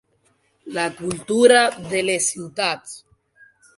La cultura de les ciutats.